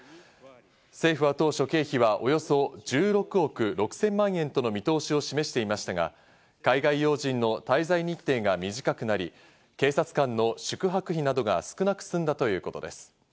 政府は当初、経費はおよそ１６億６０００万円との見通しを示していましたが、海外要人の滞在日程が短くなり、警察官の宿泊費などが少なく済んだということです。